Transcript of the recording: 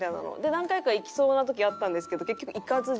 何回か行きそうな時あったんですけど。